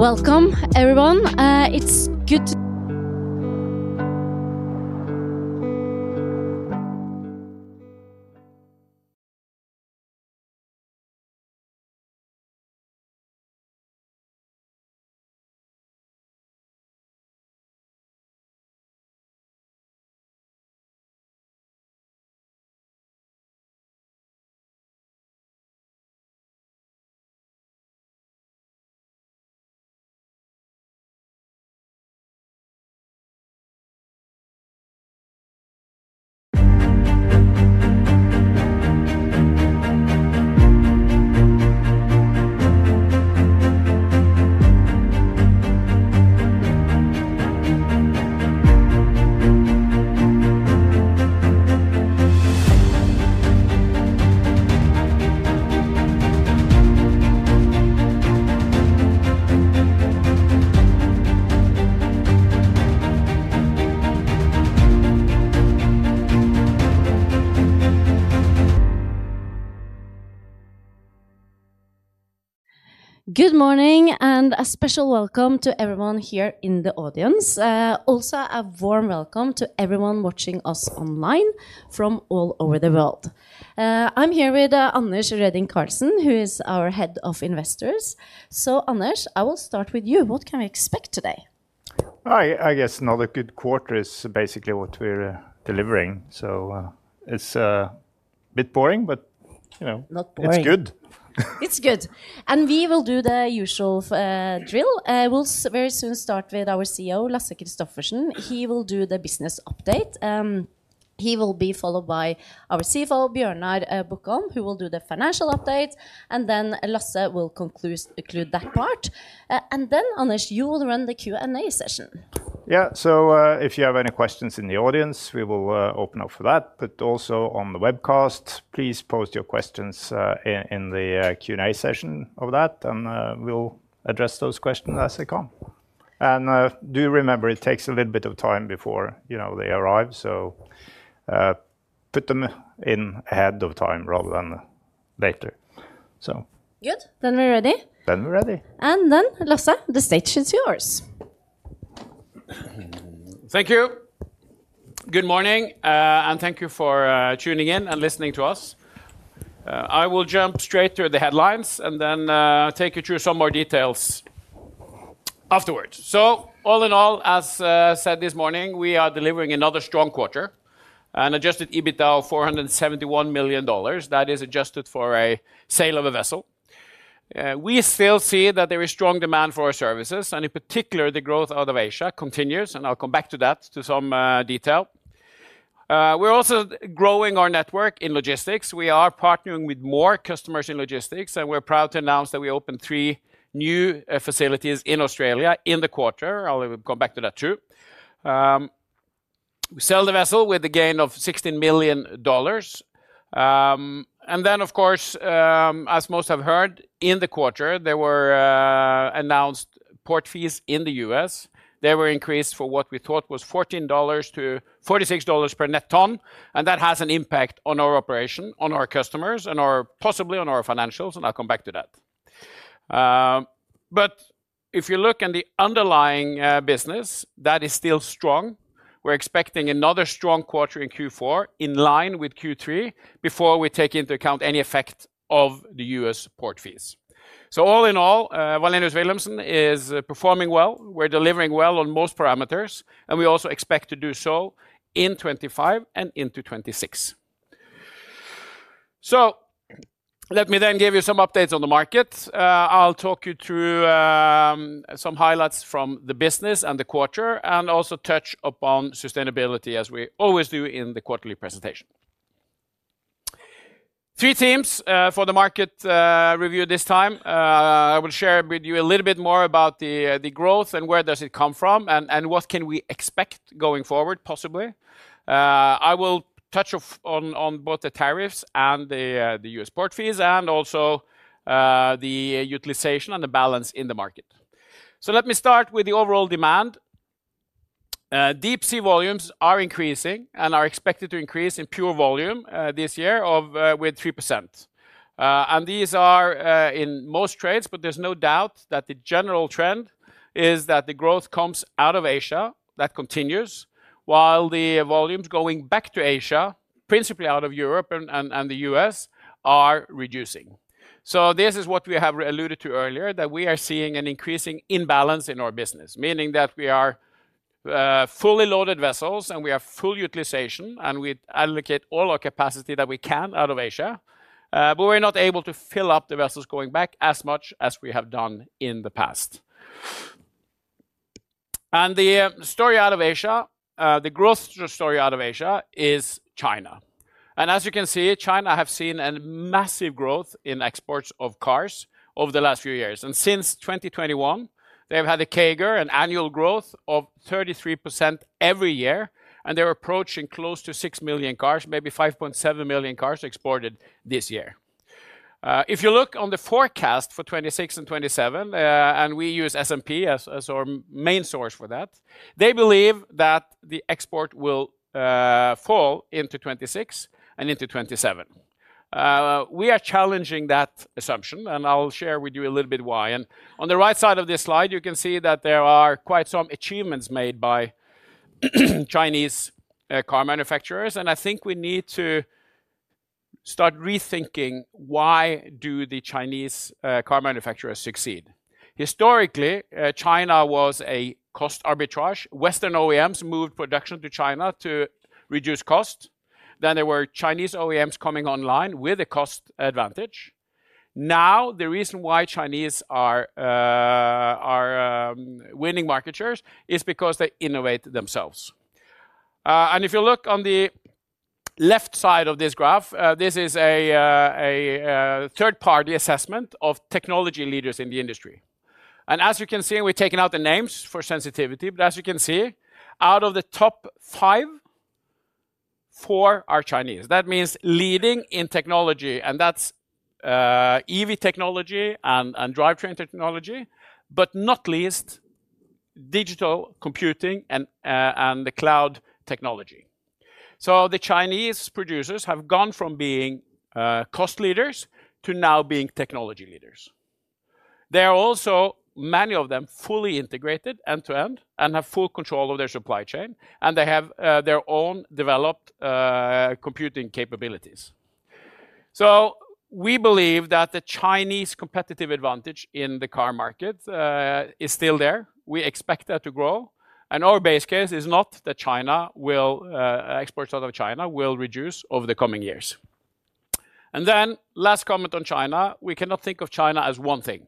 Welcome, everyone. It's good to— good morning, and a special welcome to everyone here in the audience. Also a warm welcome to everyone watching us online from all over the world. I'm here with Anders Redigh Karlsen, who is our Head of Investors. So, Anders, I will start with you. What can we expect today? I guess another good quarter is basically what we're delivering. It's a bit boring, but, you know not boring. It's good.It's good. We will do the usual drill. We'll very soon start with our CEO, Lasse Kristoffersen. He will do the business update. He will be followed by our CFO, Bjørnar Bukholm, who will do the financial update. Then Lasse will conclude that part. After that, Anders, you will run the Q&A session. Yeah. If you have any questions in the audience, we will open up for that. Also, on the webcast, please post your questions in the Q&A session of that, and we'll address those questions as they come. Do remember it takes a little bit of time before, you know, they arrive. Put them in ahead of time rather than later. Good. Then we're ready. We're ready. And the Lasse, the stage is yours. Thank you. Good morning, and thank you for tuning in and listening to us. I will jump straight to the headlines and then take you through some more details afterwards. All in all, as said this morning, we are delivering another strong quarter and adjusted EBITDA of $471 million. That is adjusted for a sale of a vessel. We still see that there is strong demand for our services, and in particular, the growth out of Asia continues. I will come back to that, to some detail. We are also growing our network in logistics. We are partnering with more customers in logistics, and we are proud to announce that we opened three new facilities in Australia in the quarter. I will come back to that too. We sold the vessel with a gain of $16 million. Of course, as most have heard, in the quarter, there were announced port fees in the U.S. They were increased for what we thought was $14-$46 per net ton. That has an impact on our operation, on our customers, and possibly on our financials. I will come back to that. If you look at the underlying business, that is still strong. We are expecting another strong quarter in Q4 in line with Q3 before we take into account any effect of the U.S. port fees. All in all, Wallenius Wilhelmsen is performing well. We are delivering well on most parameters, and we also expect to do so in 2025 and into 2026. Let me then give you some updates on the market. I will talk you through some highlights from the business and the quarter, and also touch upon sustainability as we always do in the quarterly presentation. Three themes for the market review this time. I will share with you a little bit more about the growth and where does it come from and what can we expect going forward, possibly. I will touch on both the tariffs and the U.S. port fees and also the utilization and the balance in the market. Let me start with the overall demand. Deep sea volumes are increasing and are expected to increase in pure volume this year, with 3%. These are in most trades, but there is no doubt that the general trend is that the growth comes out of Asia. That continues, while the volumes going back to Asia, principally out of Europe and the U.S., are reducing. This is what we have alluded to earlier, that we are seeing an increasing imbalance in our business, meaning that we are fully loaded vessels and we have full utilization, and we allocate all our capacity that we can out of Asia. We are not able to fill up the vessels going back as much as we have done in the past. The story out of Asia, the growth story out of Asia is China. As you can see, China has seen a massive growth in exports of cars over the last few years. Since 2021, they've had a CAGR, an annual growth of 33% every year, and they're approaching close to 6 million cars, maybe 5.7 million cars exported this year. If you look on the forecast for 2026 and 2027, and we use S&P as our main source for that, they believe that the export will fall into 2026 and into 2027. We are challenging that assumption, and I'll share with you a little bit why. On the right side of this slide, you can see that there are quite some achievements made by Chinese car manufacturers. I think we need to start rethinking why the Chinese car manufacturers succeed. Historically, China was a cost arbitrage. Western OEMs moved production to China to reduce cost. Then there were Chinese OEMs coming online with a cost advantage. Now, the reason why Chinese are winning market shares is because they innovate themselves. If you look on the left side of this graph, this is a third-party assessment of technology leaders in the industry. As you can see, we're taking out the names for sensitivity. As you can see, out of the top five, four are Chinese. That means leading in technology, and that's EV technology and drivetrain technology, but not least, digital computing and the cloud technology. The Chinese producers have gone from being cost leaders to now being technology leaders. There are also many of them fully integrated end to end and have full control of their supply chain, and they have their own developed computing capabilities. We believe that the Chinese competitive advantage in the car market is still there. We expect that to grow. Our base case is not that China will, exports out of China will reduce over the coming years. Last comment on China, we cannot think of China as one thing.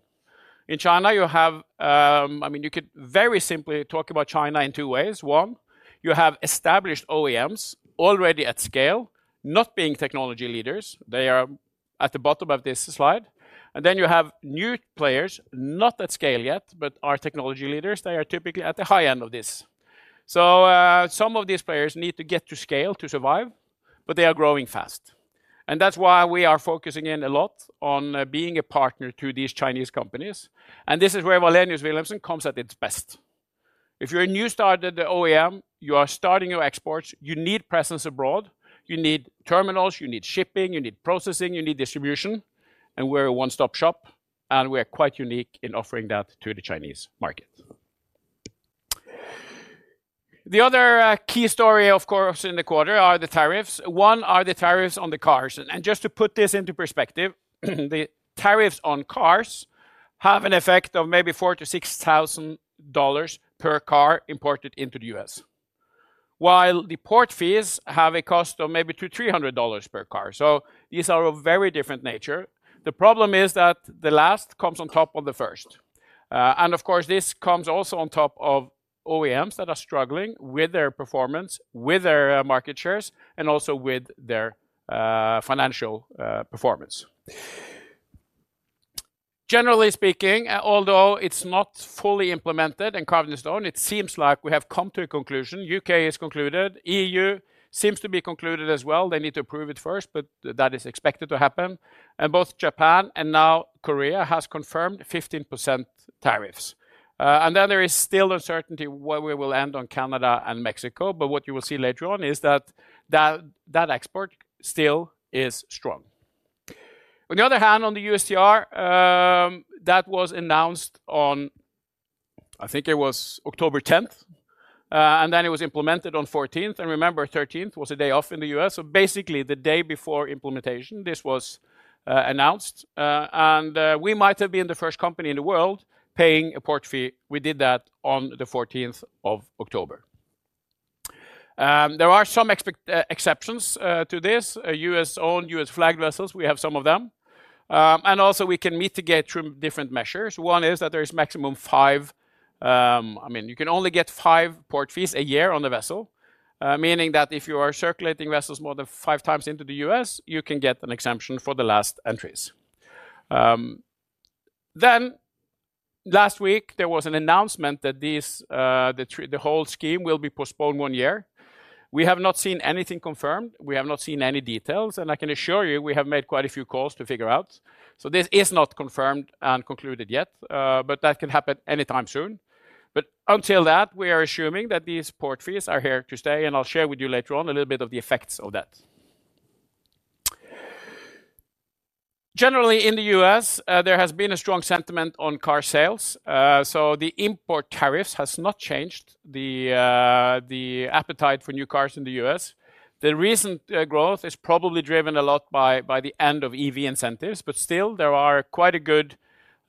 In China, you have, I mean, you could very simply talk about China in two ways. One, you have established OEMs already at scale, not being technology leaders. They are at the bottom of this slide. Then you have new players, not at scale yet, but are technology leaders. They are typically at the high end of this. Some of these players need to get to scale to survive, but they are growing fast. That's why we are focusing in a lot on being a partner to these Chinese companies. This is where Wallenius Wilhelmsen comes at its best. If you're a new started OEM, you are starting your exports, you need presence abroad, you need terminals, you need shipping, you need processing, you need distribution, and we're a one-stop shop. We're quite unique in offering that to the Chinese market. The other key story, of course, in the quarter are the tariffs. One are the tariffs on the cars. And just to put this into perspective, the tariffs on cars have an effect of maybe $4,000-$6,000 per car imported into the U.S. While the port fees have a cost of maybe $200-$300 per car. These are of very different nature. The problem is that the last comes on top of the first. Of course, this comes also on top of OEMs that are struggling with their performance, with their market shares, and also with their financial performance. Generally speaking, although it's not fully implemented in cornerstone, it seems like we have come to a conclusion. U.K. is concluded. EU seems to be concluded as well. They need to approve it first, but that is expected to happen. Both Japan and now Korea have confirmed 15% tariffs. There is still uncertainty where we will end on Canada and Mexico. What you will see later on is that export still is strong. On the other hand, on the USTR, that was announced on, I think it was October 10th, and then it was implemented on the 14th. Remember, the 13th was a day off in the U.S. Basically, the day before implementation, this was announced. We might have been the first company in the world paying a port fee. We did that on the 14th of October. There are some exceptions to this. U.S.-owned, U.S.-flagged vessels, we have some of them. Also, we can mitigate through different measures. One is that there is a maximum of five, I mean, you can only get five port fees a year on a vessel, meaning that if you are circulating vessels more than five times into the U.S., you can get an exemption for the last entries. Last week, there was an announcement that the whole scheme will be postponed one year. We have not seen anything confirmed. We have not seen any details. I can assure you, we have made quite a few calls to figure out. This is not confirmed and concluded yet, but that can happen anytime soon. Until that, we are assuming that these port fees are here to stay. I'll share with you later on a little bit of the effects of that. Generally, in the U.S., there has been a strong sentiment on car sales. The import tariffs have not changed the appetite for new cars in the U.S. The recent growth is probably driven a lot by the end of EV incentives. Still, there are quite a good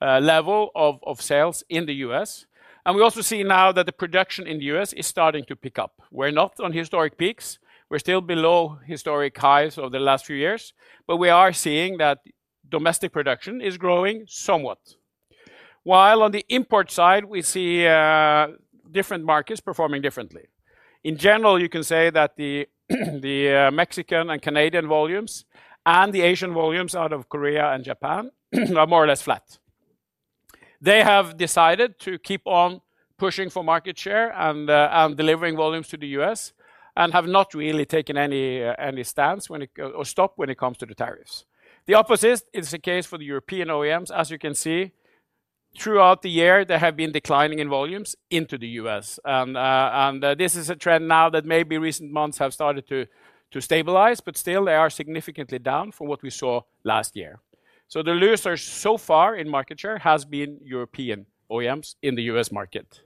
level of sales in the U.S. We also see now that the production in the U.S. is starting to pick up. We're not on historic peaks. We're still below historic highs of the last few years. We are seeing that domestic production is growing somewhat. While on the import side, we see different markets performing differently. In general, you can say that the Mexican and Canadian volumes and the Asian volumes out of Korea and Japan are more or less flat. They have decided to keep on pushing for market share and delivering volumes to the U.S. and have not really taken any stance when it comes to the tariffs. The opposite is the case for the European OEMs. As you can see, throughout the year, they have been declining in volumes into the U.S., and this is a trend now that maybe recent months have started to stabilize. Still, they are significantly down from what we saw last year. The losers so far in market share have been European OEMs in the U.S. market.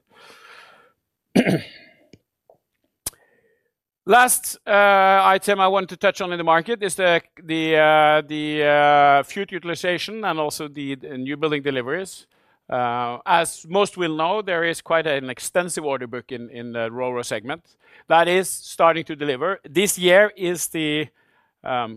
Last item I want to touch on in the market is the future utilization and also the new building deliveries. As most will know, there is quite an extensive order book in the RoRo segment that is starting to deliver. This year is the,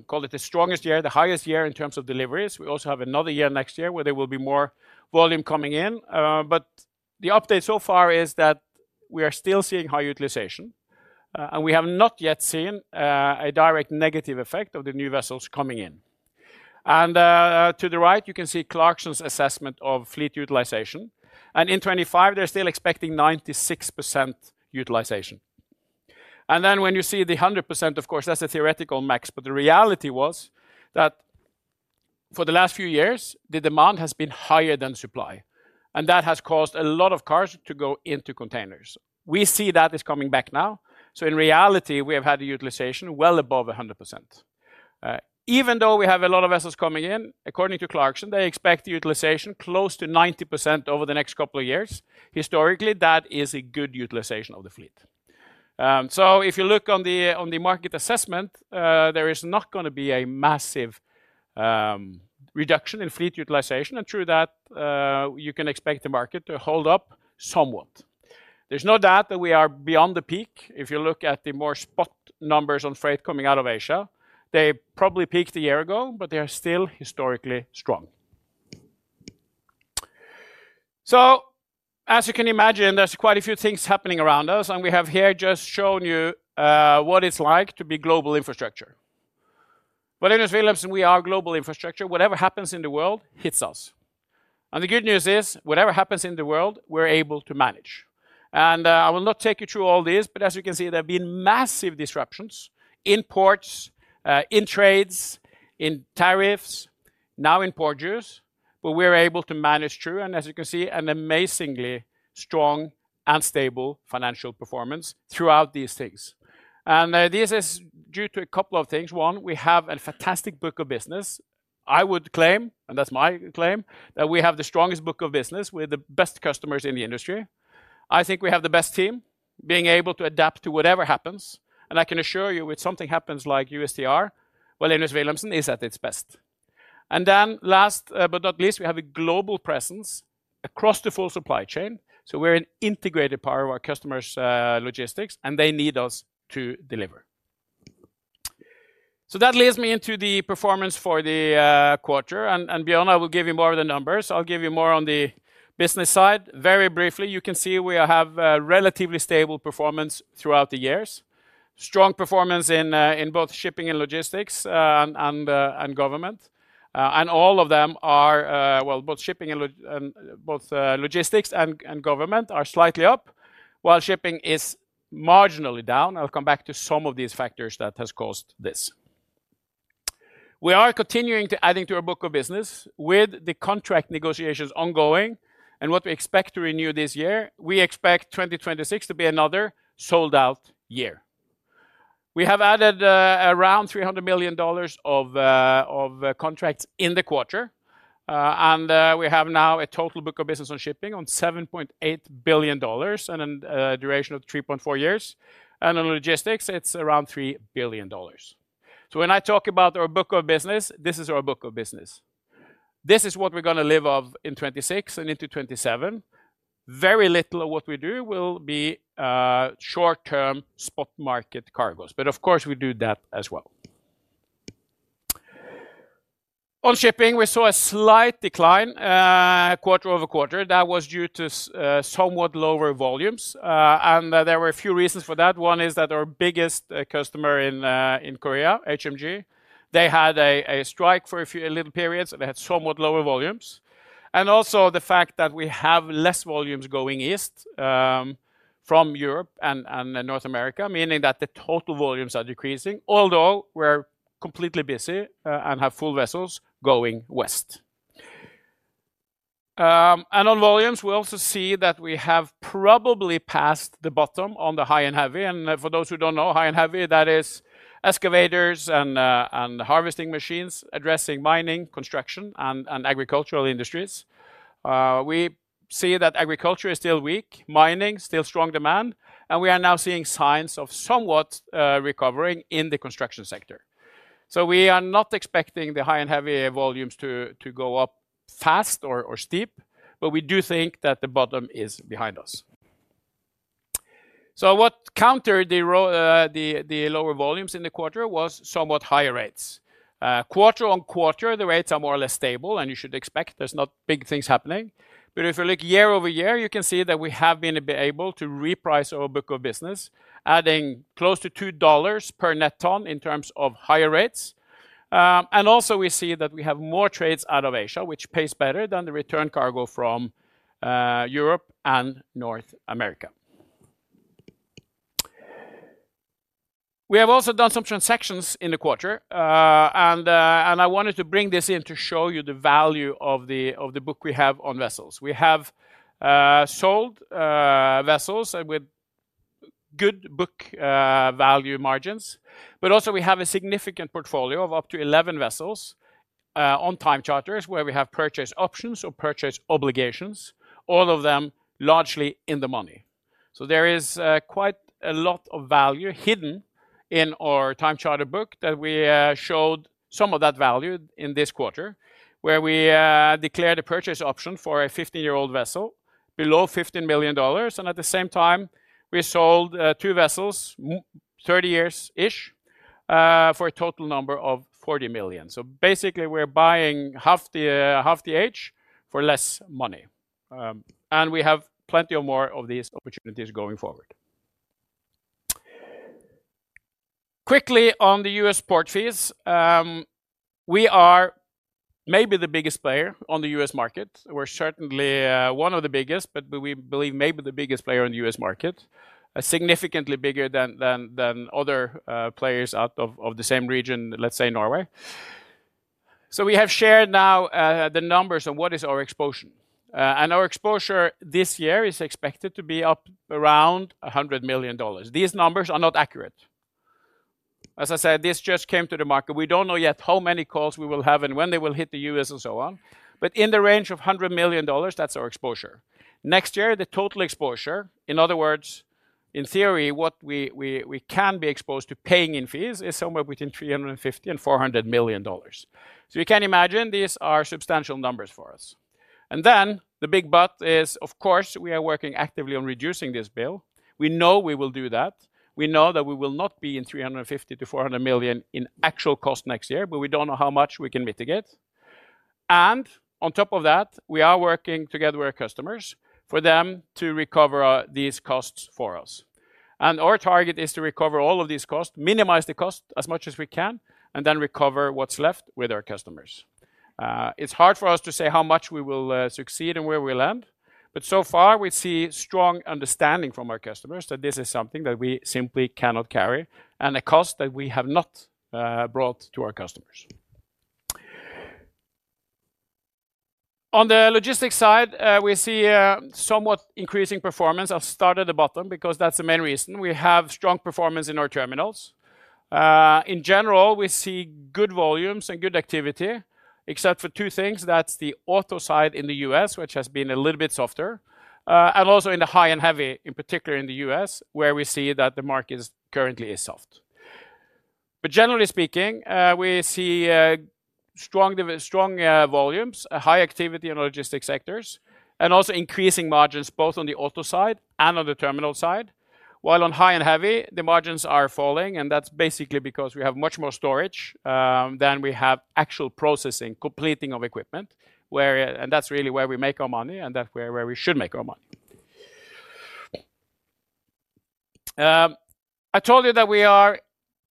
call it, the strongest year, the highest year in terms of deliveries. We also have another year next year where there will be more volume coming in. The update so far is that we are still seeing high utilization, and we have not yet seen a direct negative effect of the new vessels coming in. To the right, you can see Clarksons Research's assessment of fleet utilization. In 2025, they are still expecting 96% utilization. When you see the 100%, of course, that is a theoretical max. The reality was that for the last few years, the demand has been higher than supply, and that has caused a lot of cars to go into containers. We see that is coming back now. In reality, we have had a utilization well above 100%. Even though we have a lot of vessels coming in, according to Clarksons Research, they expect utilization close to 90% over the next couple of years. Historically, that is a good utilization of the fleet. If you look on the market assessment, there is not going to be a massive reduction in fleet utilization, and through that, you can expect the market to hold up somewhat. There is no doubt that we are beyond the peak. If you look at the more spot numbers on freight coming out of Asia, they probably peaked a year ago, but they are still historically strong. As you can imagine, there are quite a few things happening around us. We have here just shown you what it is like to be global infrastructure. Wallenius Wilhelmsen, we are global infrastructure. Whatever happens in the world hits us. The good news is, whatever happens in the world, we are able to manage. I will not take you through all these. As you can see, there have been massive disruptions in ports, in trades, in tariffs, now in portages. We are able to manage through, and as you can see, an amazingly strong and stable financial performance throughout these things. This is due to a couple of things. One, we have a fantastic book of business. I would claim, and that is my claim, that we have the strongest book of business with the best customers in the industry. I think we have the best team being able to adapt to whatever happens. I can assure you, if something happens like USTR, Wallenius Wilhelmsen is at its best. Last, but not least, we have a global presence across the full supply chain. We are an integrated part of our customers' logistics, and they need us to deliver. That leads me into the performance for the quarter. Bjørnar, I will give you more of the numbers. I will give you more on the business side. Very briefly, you can see we have a relatively stable performance throughout the years. Strong performance in both shipping and logistics, and government. All of them are, well, both shipping and both logistics and government are slightly up, while shipping is marginally down. I will come back to some of these factors that have caused this. We are continuing to add into our book of business with the contract negotiations ongoing and what we expect to renew this year. We expect 2026 to be another sold-out year. We have added around $300 million of contracts in the quarter. We now have a total book of business on shipping of $7.8 billion and a duration of 3.4 years. On logistics, it is around $3 billion. When I talk about our book of business, this is our book of business. This is what we are going to live off in 2026 and into 2027. Very little of what we do will be short-term spot market cargoes. Of course, we do that as well. On shipping, we saw a slight decline, quarter over quarter. That was due to somewhat lower volumes. There were a few reasons for that. One is that our biggest customer in Korea, HMG, had a strike for a little period. They had somewhat lower volumes. Also, the fact that we have less volumes going east from Europe and North America, meaning that the total volumes are decreasing, although we are completely busy and have full vessels going west. On volumes, we also see that we have probably passed the bottom on the high and heavy. For those who do not know, high and heavy, that is excavators and harvesting machines addressing mining, construction, and agricultural industries. We see that agriculture is still weak, mining still strong demand, and we are now seeing signs of somewhat recovering in the construction sector. We are not expecting the high and heavy volumes to go up fast or steep, but we do think that the bottom is behind us. What countered the lower volumes in the quarter was somewhat higher rates. Quarter on quarter, the rates are more or less stable, and you should expect there are not big things happening. If you look year over year, you can see that we have been able to reprice our book of business, adding close to $2 per net ton in terms of higher rates. We also see that we have more trades out of Asia, which pays better than the return cargo from Europe and North America. We have also done some transactions in the quarter, and I wanted to bring this in to show you the value of the book we have on vessels. We have sold vessels with good book value margins. We also have a significant portfolio of up to 11 vessels on time charters where we have purchase options or purchase obligations, all of them largely in the money. There is quite a lot of value hidden in our time charter book. We showed some of that value in this quarter where we declared a purchase option for a 15-year-old vessel below $15 million. At the same time, we sold two vessels, 30 years-ish, for a total number of $40 million. Basically, we are buying half the age for less money, and we have plenty more of these opportunities going forward. Quickly, on the U.S. port fees, we are maybe the biggest player on the U.S. market. We are certainly one of the biggest, but we believe maybe the biggest player in the U.S. market, significantly bigger than other players out of the same region, let's say Norway. We have shared now the numbers of what is our exposure, and our exposure this year is expected to be up around $100 million. These numbers are not accurate. As I said, this just came to the market. We do not know yet how many calls we will have and when they will hit the U.S. and so on. In the range of $100 million, that is our exposure. Next year, the total exposure, in other words, in theory, what we can be exposed to paying in fees is somewhere between $350 million-$400 million. You can imagine these are substantial numbers for us. The big but is, of course, we are working actively on reducing this bill. We know we will do that. We know that we will not be in $350 million-$400 million in actual cost next year, but we do not know how much we can mitigate. On top of that, we are working together with our customers for them to recover these costs for us. Our target is to recover all of these costs, minimize the cost as much as we can, and then recover what's left with our customers. It's hard for us to say how much we will succeed and where we'll end. So far, we see strong understanding from our customers that this is something that we simply cannot carry and a cost that we have not brought to our customers. On the logistics side, we see somewhat increasing performance. I'll start at the bottom because that's the main reason. We have strong performance in our terminals. In general, we see good volumes and good activity, except for two things. That's the auto side in the U.S., which has been a little bit softer, and also in the high and heavy, in particular in the U.S., where we see that the market currently is soft. Generally speaking, we see strong, strong volumes, high activity in our logistics sectors, and also increasing margins both on the auto side and on the terminal side. While on high and heavy, the margins are falling. That's basically because we have much more storage than we have actual processing, completing of equipment, where, and that's really where we make our money and that's where we should make our money. I told you that we are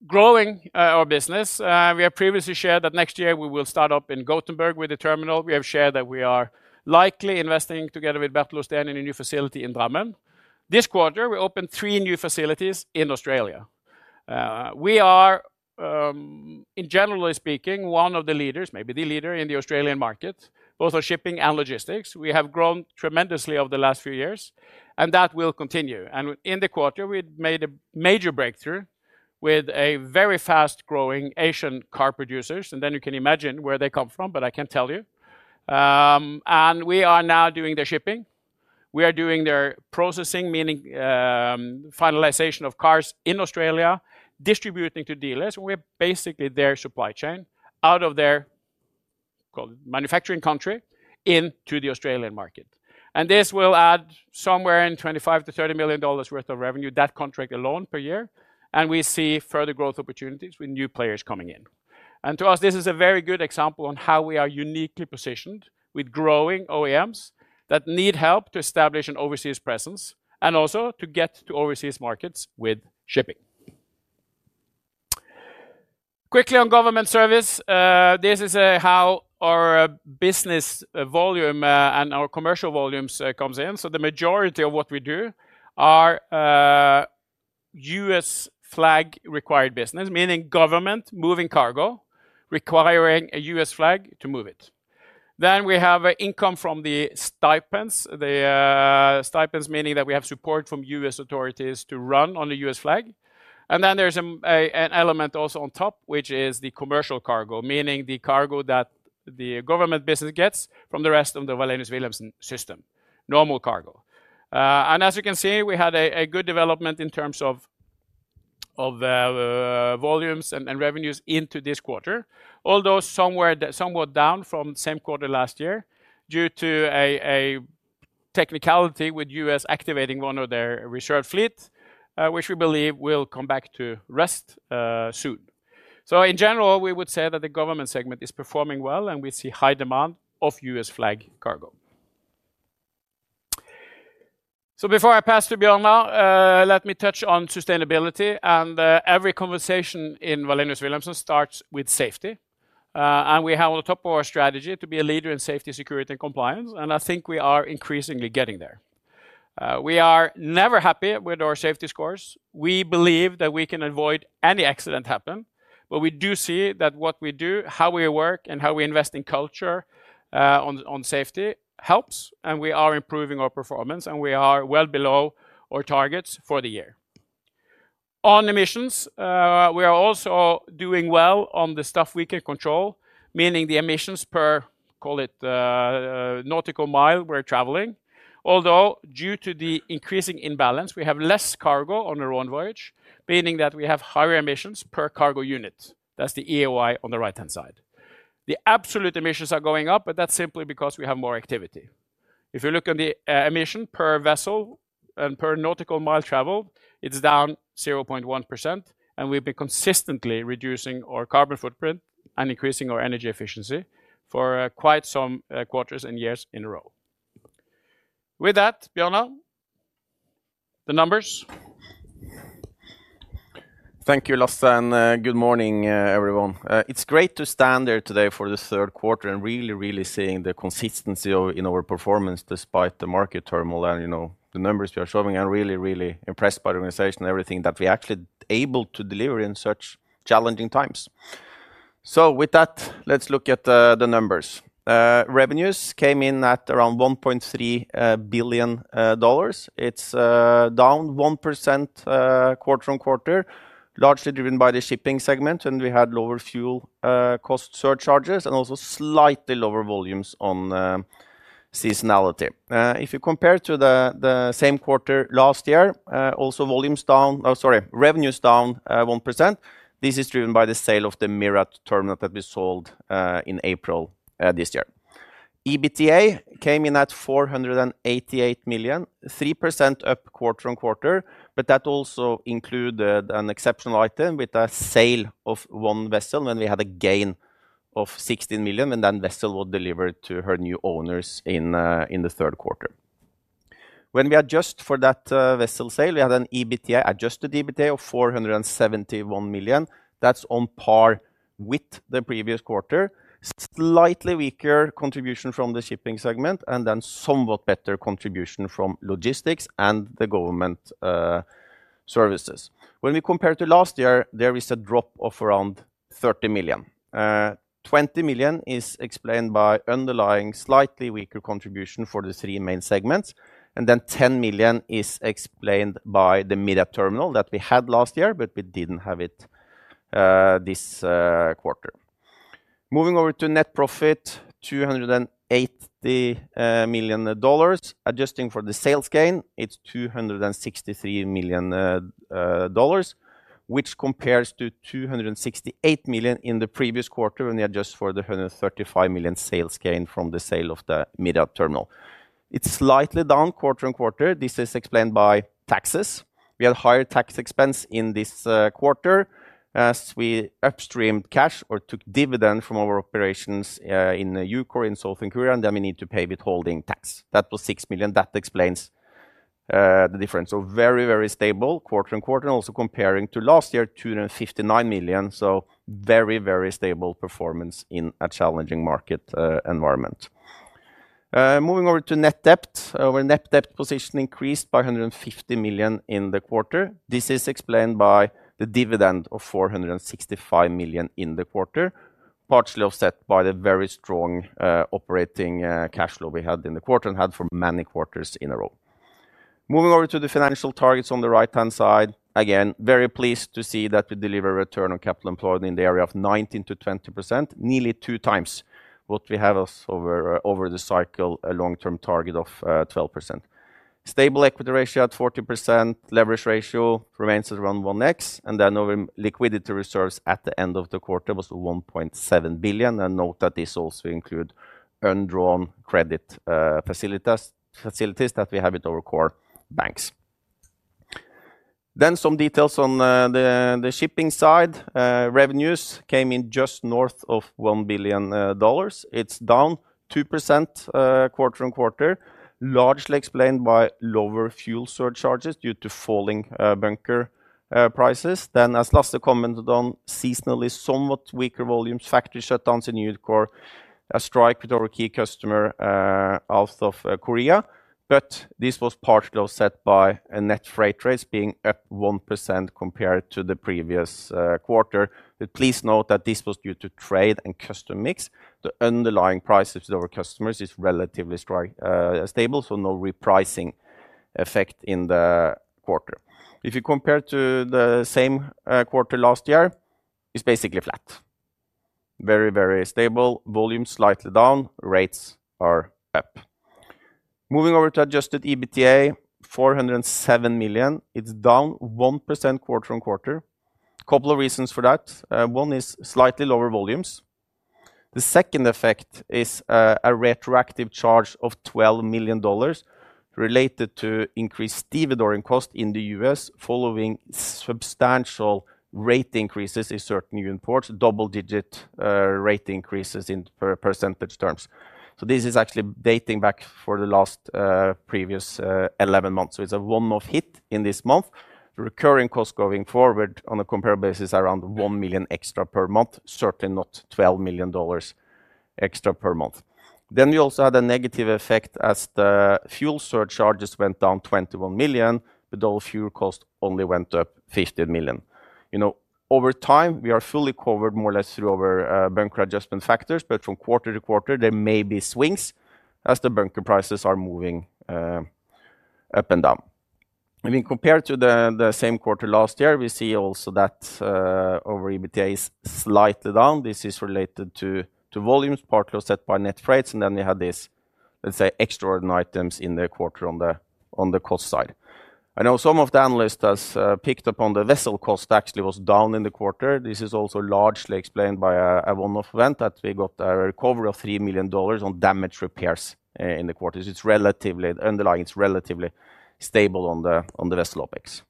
growing our business. We have previously shared that next year we will start up in Gothenburg with the terminal. We have shared that we are likely investing together with Bertel O. Steen in a new facility in Drammen. This quarter, we opened three new facilities in Australia. We are, generally speaking, one of the leaders, maybe the leader in the Australian market, both on shipping and logistics. We have grown tremendously over the last few years, and that will continue. In the quarter, we made a major breakthrough with a very fast-growing Asian car producer. You can imagine where they come from, but I can't tell you. We are now doing their shipping. We are doing their processing, meaning finalization of cars in Australia, distributing to dealers. We're basically their supply chain out of their called manufacturing country into the Australian market. This will add somewhere in $25 million-$30 million worth of revenue, that contract alone, per year. We see further growth opportunities with new players coming in. To us, this is a very good example on how we are uniquely positioned with growing OEMs that need help to establish an overseas presence and also to get to overseas markets with shipping. Quickly on government service, this is how our business volume and our commercial volumes comes in. The majority of what we do are US flag required business, meaning government moving cargo, requiring a U.S. flag to move it. Then we have income from the stipends, the stipends, meaning that we have support from U.S. authorities to run on the U.S. flag. Then there's an element also on top, which is the commercial cargo, meaning the cargo that the government business gets from the rest of the Wallenius Wilhelmsen system, normal cargo. As you can see, we had a good development in terms of volumes and revenues into this quarter, although somewhat down from the same quarter last year due to a technicality with the U.S. activating one of their reserve fleet, which we believe will come back to rest soon. In general, we would say that the government segment is performing well, and we see high demand of U.S. flag cargo. Before I pass to Bjørnar now, let me touch on sustainability. Every conversation in Wallenius Wilhelmsen starts with safety, and we have on the top of our strategy to be a leader in safety, security, and compliance. I think we are increasingly getting there. We are never happy with our safety scores. We believe that we can avoid any accident happen, but we do see that what we do, how we work, and how we invest in culture on safety helps. We are improving our performance, and we are well below our targets for the year. On emissions, we are also doing well on the stuff we can control, meaning the emissions per, call it, nautical mile we're traveling. Although, due to the increasing imbalance, we have less cargo on our own voyage, meaning that we have higher emissions per cargo unit. That's the EOI on the right-hand side. The absolute emissions are going up, but that's simply because we have more activity. If you look at the emission per vessel and per nautical mile traveled, it's down 0.1%. We've been consistently reducing our carbon footprint and increasing our energy efficiency for quite some quarters and years in a row. With that, Bjørnar. The numbers. Thank you, Lasse, and good morning, everyone. It's great to stand here today for the third quarter and really, really seeing the consistency of, you know, our performance despite the market turmoil and, you know, the numbers we are showing. I'm really, really impressed by the organization and everything that we actually able to deliver in such challenging times. With that, let's look at the numbers. Revenues came in at around $1.3 billion. It's down 1% quarter-on-quarter, largely driven by the shipping segment. We had lower fuel cost surcharges and also slightly lower volumes on seasonality. If you compare to the same quarter last year, also revenues down 1%. This is driven by the sale of the MIRRAT Terminal that we sold in April this year. EBITDA came in at $488 million, 3% up quarter-on-quarter. That also included an exceptional item with a sale of one vessel when we had a gain of $16 million when that vessel was delivered to her new owners in the third quarter. When we adjust for that vessel sale, we had an adjusted EBITDA of $471 million. That's on par with the previous quarter. Slightly weaker contribution from the shipping segment and then somewhat better contribution from logistics and government services. When we compare to last year, there is a drop of around $30 million. $20 million is explained by underlying slightly weaker contribution for the three main segments, and then $10 million is explained by the MIRRAT Terminal that we had last year, but we didn't have it this quarter. Moving over to net profit, $280 million. Adjusting for the sales gain, it's $263 million, which compares to $268 million in the previous quarter when we adjust for the $135 million sales gain from the sale of the MIRRAT Terminal. It's slightly down quarter-on-quarter. This is explained by taxes. We had higher tax expense in this quarter as we upstreamed cash or took dividend from our operations in UCOR in South Korea, and then we need to pay withholding tax. That was $6 million. That explains the difference. Very, very stable quarter-on-quarter, and also comparing to last year, $259 million. Very, very stable performance in a challenging market environment. Moving over to net debt, our net debt position increased by $150 million in the quarter. This is explained by the dividend of $465 million in the quarter, partially offset by the very strong operating cash flow we had in the quarter and had for many quarters in a row. Moving over to the financial targets on the right-hand side, again, very pleased to see that we deliver a return on capital employed in the area of 19%-20%, nearly two times what we have over the cycle, a long-term target of 12%. Stable equity ratio at 40%, leverage ratio remains at around 1x. Over liquidity reserves at the end of the quarter was $1.7 billion. Note that this also includes undrawn credit facilities that we have with our core banks. Some details on the shipping side. Revenues came in just north of $1 billion. It's down 2% quarter-on-quarter, largely explained by lower fuel surcharges due to falling bunker prices. As Lasse commented on, seasonally somewhat weaker volumes, factory shutdowns in UCOR, a strike with our key customer out of Korea. This was partially offset by net freight rates being up 1% compared to the previous quarter. Please note that this was due to trade and customer mix. The underlying prices with our customers are relatively stable. No repricing effect in the quarter. If you compare to the same quarter last year, it's basically flat. Very, very stable volume, slightly down. Rates are up. Moving over to adjusted EBITDA, $407 million. It's down 1% quarter-on-quarter. A couple of reasons for that. One is slightly lower volumes. The second effect is a retroactive charge of $12 million. Related to increased devedoring cost in the U.S. following substantial rate increases in certain unit ports, double-digit rate increases in percentage terms. This is actually dating back for the last, previous, 11 months. It is a one-off hit in this month. The recurring cost going forward on a comparable basis is around $1 million extra per month, certainly not $12 million extra per month. We also had a negative effect as the fuel surcharges went down $21 million, but all fuel cost only went up $15 million. You know, over time, we are fully covered more or less through our bunker adjustment factors. From quarter-to-quarter, there may be swings as the bunker prices are moving up and down. If we compare to the same quarter last year, we see also that our EBITDA is slightly down. This is related to volumes partly offset by net freights. We had these, let's say, extraordinary items in the quarter on the cost side. I know some of the analysts have picked up on the vessel cost actually was down in the quarter. This is also largely explained by a one-off event that we got a recovery of $3 million on damage repairs in the quarter. It is relatively underlying, it is relatively stable on the vessel opex.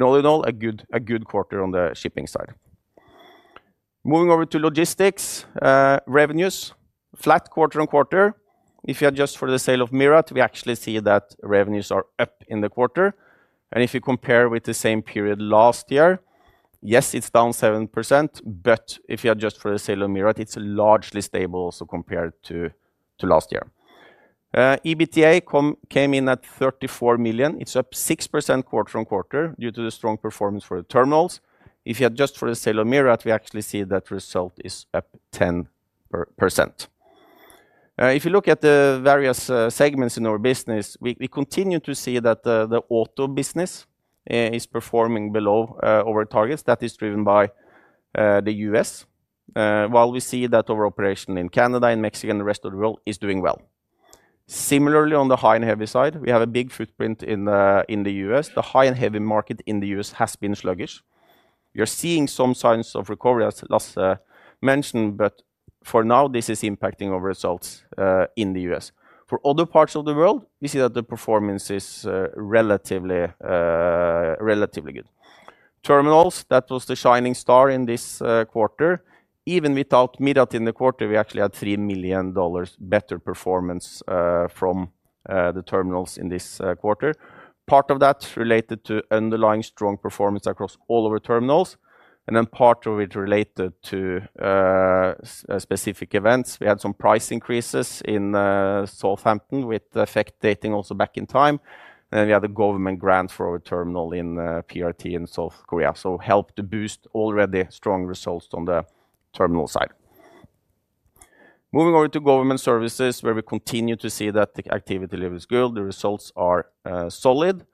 All in all, a good quarter on the shipping side. Moving over to logistics, revenues flat quarter-on-quarter. If you adjust for the sale of MIRRAT, we actually see that revenues are up in the quarter. If you compare with the same period last year, yes, it is down 7%. If you adjust for the sale of MIRRAT, it is largely stable also compared to last year. EBITDA came in at $34 million. It is up 6% quarter-on-quarter due to the strong performance for the terminals. If you adjust for the sale of MIRRAT, we actually see that result is up 10%. If you look at the various segments in our business, we continue to see that the auto business is performing below our targets. That is driven by the U.S.., while we see that our operation in Canada, in Mexico, and the rest of the world is doing well. Similarly, on the high and heavy side, we have a big footprint in the US. The high and heavy market in the U.S. has been sluggish. You are seeing some signs of recovery, as Lasse mentioned, but for now, this is impacting our results in the U.S. For other parts of the world, we see that the performance is relatively, relatively good. Terminals, that was the shining star in this quarter. Even without MIRRAT in the quarter, we actually had $3 million better performance from the terminals in this quarter. Part of that related to underlying strong performance across all of our terminals. Part of it related to specific events. We had some price increases in Southampton, with the effect dating also back in time. We had a government grant for our terminal in Pyeongtaek in South Korea. That helped to boost already strong results on the terminal side. Moving over to government services, where we continue to see that the activity level is good. The results are solid.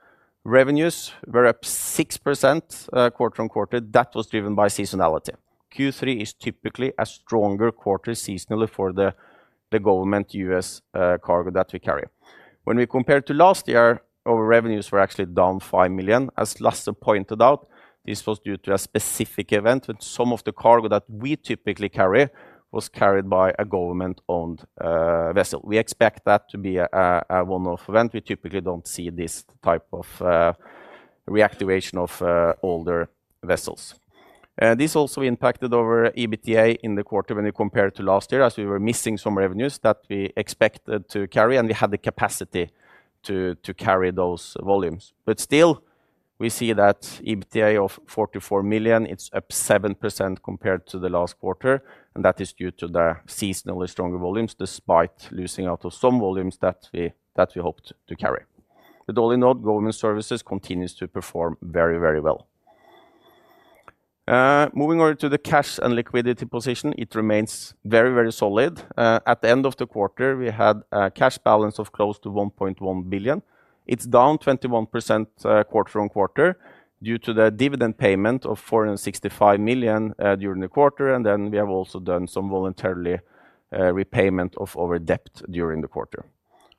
Revenues were up 6% quarter-on-quarter. That was driven by seasonality. Q3 is typically a stronger quarter seasonally for the government U.S. cargo that we carry. When we compare to last year, our revenues were actually down $5 million, as Lasse pointed out. This was due to a specific event, where some of the cargo that we typically carry was carried by a government-owned vessel. We expect that to be a one-off event. We typically do not see this type of reactivation of older vessels. This also impacted our EBITDA in the quarter when we compared to last year, as we were missing some revenues that we expected to carry, and we had the capacity to carry those volumes. Still, we see that EBITDA of $44 million is up 7% compared to the last quarter. That is due to the seasonally stronger volumes, despite losing out on some volumes that we hoped to carry. All in all, government services continues to perform very, very well. Moving over to the cash and liquidity position, it remains very, very solid. At the end of the quarter, we had a cash balance of close to $1.1 billion. It is down 21% quarter-on-quarter due to the dividend payment of $465 million during the quarter. We have also done some voluntary repayment of our debt during the quarter.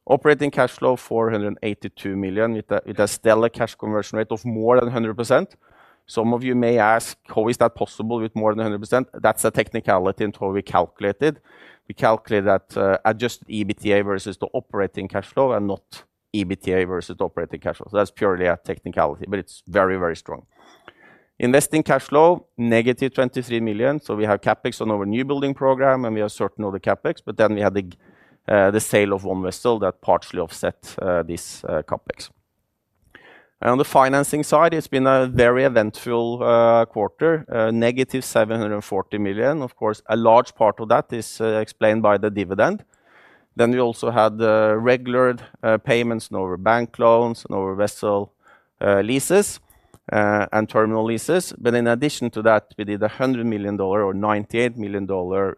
Operating cash flow of $482 million with a stellar cash conversion rate of more than 100%. Some of you may ask, how is that possible with more than 100%? That is a technicality in how we calculate it. We calculate that adjusted EBITDA versus the operating cash flow and not EBITDA versus the operating cash flow. That is purely a technicality, but it is very, very strong. Investing cash flow, -$23 million. We have CapEx on our newbuilding program, and we have certain other CapEx. We had the sale of one vessel that partially offset this CapEx. On the financing side, it has been a very eventful quarter, -$740 million. Of course, a large part of that is explained by the dividend. We also had regular payments on our bank loans and our vessel leases and terminal leases. In addition to that, we did a $100 million or $98 million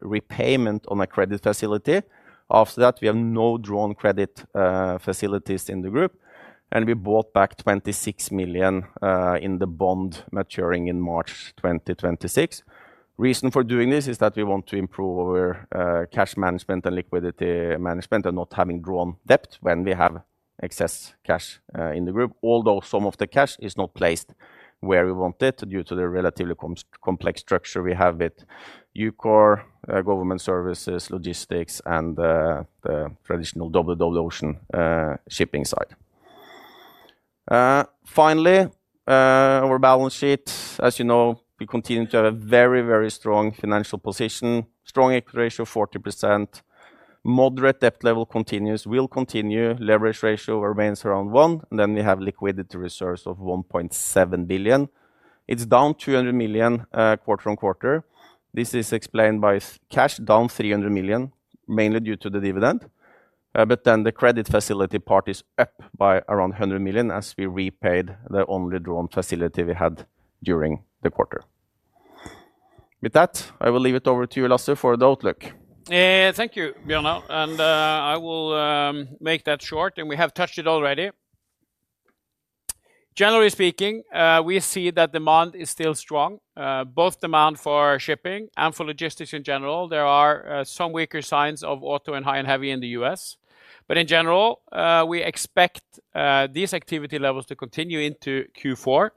repayment on a credit facility. After that, we have no drawn credit facilities in the group. We bought back $26 million in the bond maturing in March 2026. The reason for doing this is that we want to improve our cash management and liquidity management and not having drawn debt when we have excess cash in the group. Although some of the cash is not placed where we want it due to the relatively complex structure we have with UCOR, government services, logistics, and the traditional WW ocean shipping side. Finally, our balance sheet, as you know, we continue to have a very, very strong financial position, strong equity ratio of 40%. Moderate debt level continues, will continue. Leverage ratio remains around one. And then we have liquidity reserves of $1.7 billion. It is down $200 million, quarter-on-quarter. This is explained by cash down $300 million, mainly due to the dividend, but then the credit facility part is up by around $100 million as we repaid the only drawn facility we had during the quarter. With that, I will leave it over to you, Lasse, for the outlook. Yeah, thank you, Bjørnar. I will make that short, and we have touched it already. Generally speaking, we see that demand is still strong, both demand for shipping and for logistics in general. There are some weaker signs of auto and high and heavy in the U.S. In general, we expect these activity levels to continue into Q4,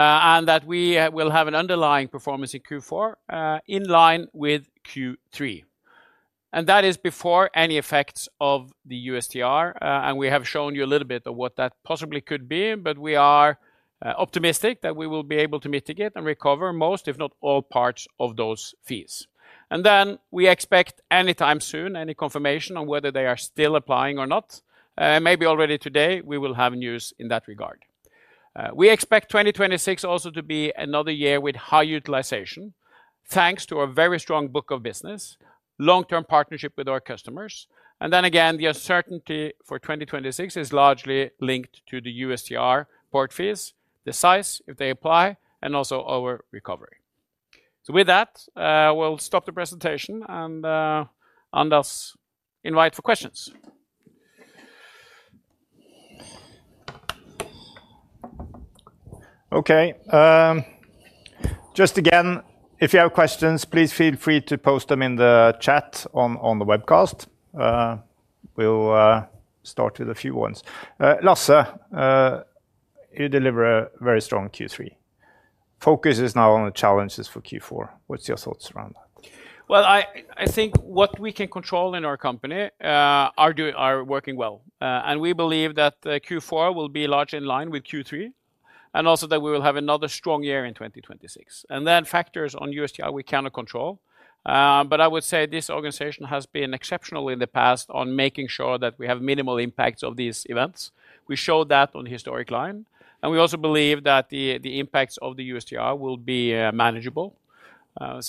and that we will have an underlying performance in Q4 in line with Q3. That is before any effects of the USTR. We have shown you a little bit of what that possibly could be, but we are optimistic that we will be able to mitigate and recover most, if not all, parts of those fees. We expect anytime soon any confirmation on whether they are still applying or not. Maybe already today, we will have news in that regard. We expect 2026 also to be another year with high utilization, thanks to our very strong book of business, long-term partnership with our customers. The uncertainty for 2026 is largely linked to the USTR port fees, the size, if they apply, and also our recovery. With that, we will stop the presentation and invite for questions. Okay. Just again, if you have questions, please feel free to post them in the chat on the webcast. We will start with a few ones. Lasse, you deliver a very strong Q3. Focus is now on the challenges for Q4. What are your thoughts around that? I think what we can control in our company are doing, are working well. We believe that Q4 will be largely in line with Q3 and also that we will have another strong year in 2026. Factors on USTR we cannot control. I would say this organization has been exceptional in the past on making sure that we have minimal impacts of these events. We showed that on the historic line. We also believe that the impacts of the USTR will be manageable.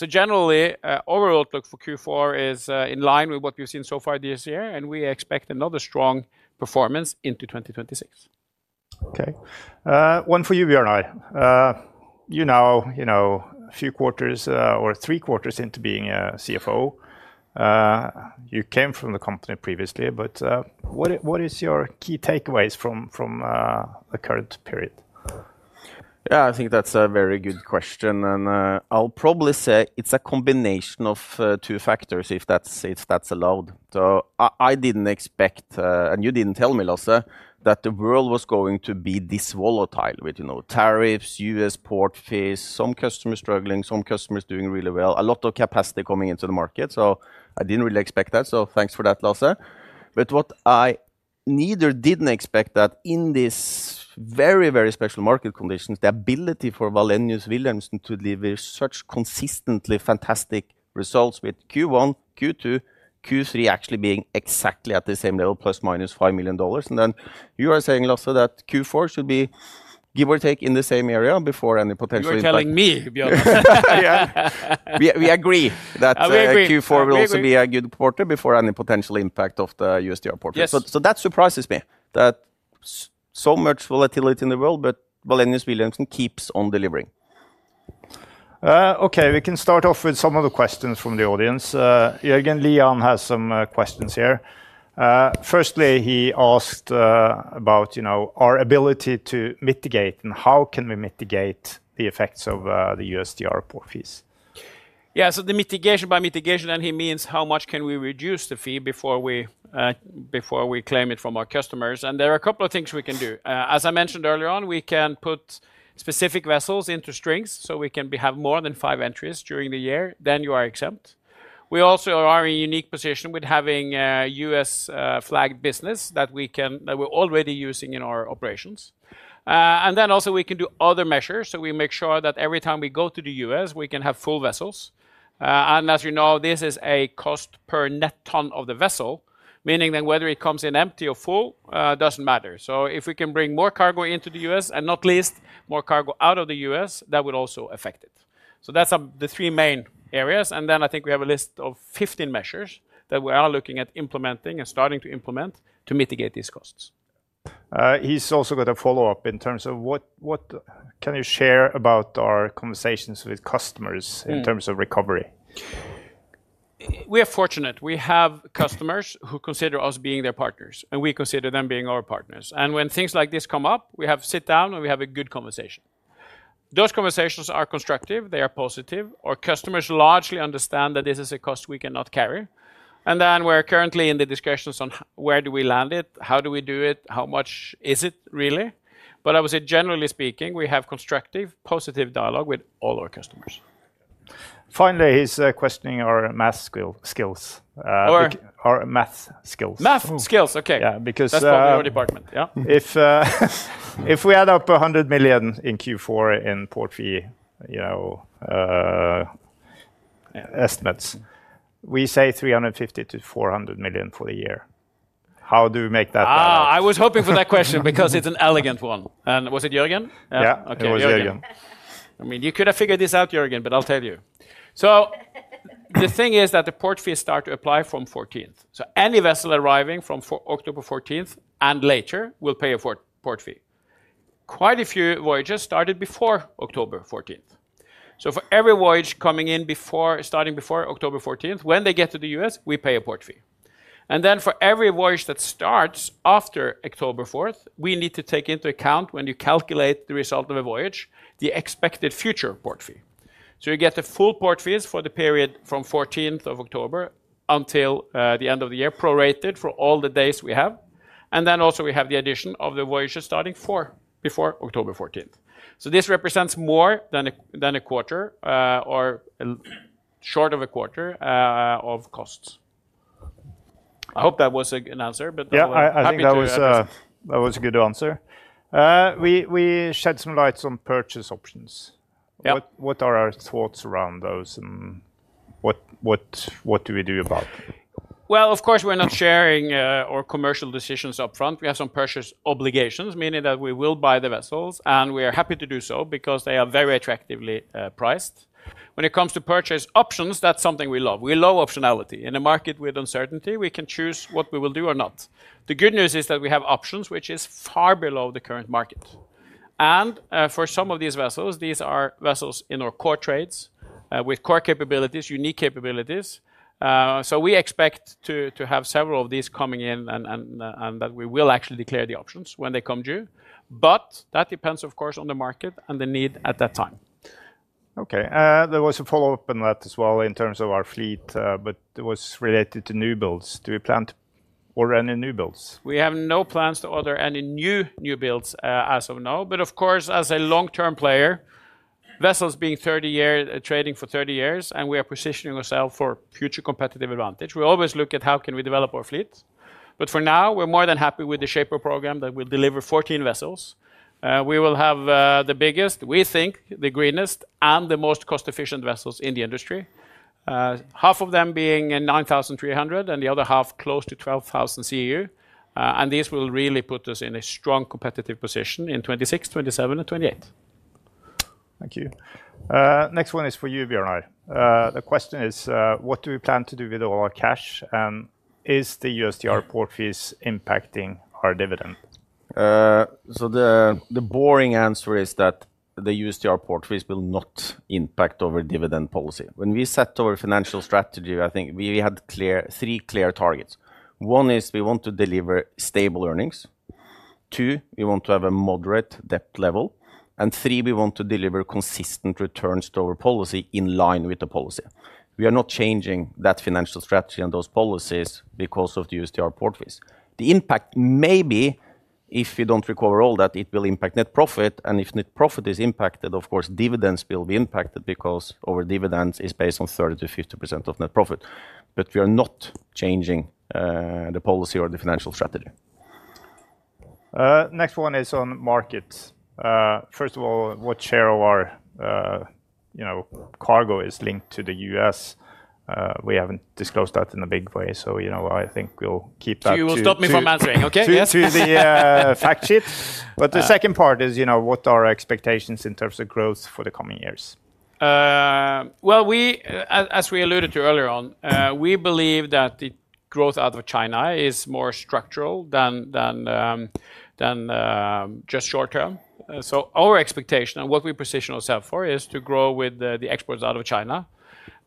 Generally, our outlook for Q4 is in line with what we've seen so far this year, and we expect another strong performance into 2026. Okay. One for you, Bjørnar. You know, a few quarters, or three quarters into being a CFO. You came from the company previously, but what is your key takeaways from the current period? Yeah, I think that's a very good question. I'll probably say it's a combination of two factors, if that's allowed. I didn't expect, and you didn't tell me, Lasse, that the world was going to be this volatile with tariffs, U.S. port fees, some customers struggling, some customers doing really well, a lot of capacity coming into the market. I didn't really expect that. Thanks for that, Lasse. What I neither didn't expect is that in these very, very special market conditions, the ability for Wallenius Wilhelmsen to deliver such consistently fantastic results with Q1, Q2, Q3 actually being exactly at the same level, plus minus $5 million. You are saying, Lasse, that Q4 should be, give or take, in the same area before any potential impact. You're telling me, Bjørnar. Yeah. We agree that Q4 will also be a good quarter before any potential impact of the USTR port. That surprises me. So much volatility in the world, but Wallenius Wilhelmsen keeps on delivering. Okay, we can start off with some of the questions from the audience. Jermund Lien has some questions here. Firstly, he asked about our ability to mitigate and how can we mitigate the effects of the USTR port fees. Yeah, so the mitigation, by mitigation, he means how much can we reduce the fee before we claim it from our customers. There are a couple of things we can do. As I mentioned earlier on, we can put specific vessels into strings, so we can have more than five entries during the year. Then you are exempt. We also are in a unique position with having a U.S.-flagged business that we're already using in our operations. Also, we can do other measures. We make sure that every time we go to the U.S., we can have full vessels. As you know, this is a cost per net ton of the vessel, meaning that whether it comes in empty or full, doesn't matter. If we can bring more cargo into the U.S. and not least more cargo out of the U.S., that would also affect it. That's the three main areas. I think we have a list of 15 measures that we are looking at implementing and starting to implement to mitigate these costs. He's also got a follow-up in terms of what, what can you share about our conversations with customers in terms of recovery? We are fortunate. We have customers who consider us being their partners, and we consider them being our partners. When things like this come up, we sit down and we have a good conversation. Those conversations are constructive. They are positive. Our customers largely understand that this is a cost we cannot carry. We're currently in the discussions on where do we land it, how do we do it, how much is it really. I would say, generally speaking, we have constructive, positive dialogue with all our customers. Finally, he's questioning our math skills, our math skills. Math skills, okay. Yeah, because that's part of our department.. If we add up $100 million in Q4 in port fee, you know, estimates, we say $350 million-$400 million for the year. How do we make that balance? I was hoping for that question because it's an elegant one. And was it Jürgen? Yeah. Okay, Jürgen. I mean, you could have figured this out, Jürgen, but I'll tell you. The thing is that the port fees start to apply from the 14th. Any vessel arriving from October 14th and later will pay a port fee. Quite a few voyages started before October 14th. For every voyage coming in before, starting before October 14th, when they get to the U.S., we pay a port fee. For every voyage that starts after October 14th, we need to take into account, when you calculate the result of a voyage, the expected future port fee. You get the full port fees for the period from the 14th of October until the end of the year, prorated for all the days we have. Also, we have the addition of the voyages starting before October 14th. This represents more than a, than a quarter, or a short of a quarter, of costs. I hope that was an answer, but that was. That was a good answer. We shed some lights on purchase options. What, what are our thoughts around those and what, what, what do we do about them? Of course, we're not sharing our commercial decisions upfront. We have some purchase obligations, meaning that we will buy the vessels, and we are happy to do so because they are very attractively priced. When it comes to purchase options, that's something we love. We love optionality. In a market with uncertainty, we can choose what we will do or not. The good news is that we have options, which is far below the current market. For some of these vessels, these are vessels in our core trades, with core capabilities, unique capabilities. We expect to have several of these coming in and that we will actually declare the options when they come due. But that depends, of course, on the market and the need at that time. Okay. There was a follow-up on that as well in terms of our fleet, but it was related to new builds. Do we plan to order any new builds? We have no plans to order any new, new builds, as of now. But of course, as a long-term player, vessels being 30 years, trading for 30 years, and we are positioning ourselves for future competitive advantage. We always look at how can we develop our fleet. For now, we're more than happy with the Shaper program that will deliver 14 vessels. We will have the biggest, we think, the greenest and the most cost-efficient vessels in the industry, half of them being 9,300 and the other half close to 12,000 CEU. These will really put us in a strong competitive position in 2026, 2027, and 2028. Thank you. Next one is for you, Bjørnar. The question is, what do we plan to do with all our cash? And is the USTR port fees impacting our dividend? The boring answer is that the USTR port fees will not impact our dividend policy. When we set our financial strategy, I think we had three clear targets. One is we want to deliver stable earnings. Two, we want to have a moderate debt level. Three, we want to deliver consistent returns to our policy in line with the policy. We are not changing that financial strategy and those policies because of the USTR port fees. The impact may be, if we do not recover all that, it will impact net profit. If net profit is impacted, of course, dividends will be impacted because our dividends are based on 30%-50% of net profit. We are not changing the policy or the financial strategy. Next one is on markets. First of all, what share of our, you know, cargo is linked to the U.S.? We have not disclosed that in a big way. I think we will keep that. You will stop me from answering, okay? To the fact sheet. The second part is, you know, what are our expectations in terms of growth for the coming years? As we alluded to earlier on, we believe that the growth out of China is more structural than just short term. Our expectation and what we position ourselves for is to grow with the exports out of China.